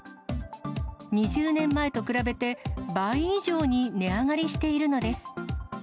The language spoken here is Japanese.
２０年前と比べて倍以上に値上がりしているのです。